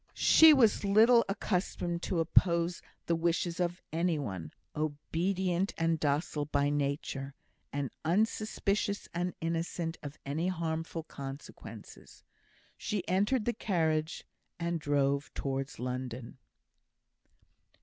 She was little accustomed to oppose the wishes of any one obedient and docile by nature, and unsuspicious and innocent of any harmful consequences. She entered the carriage, and drove towards London.